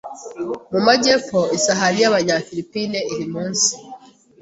mu majyepfo isahani y'Abanyafilipine iri munsi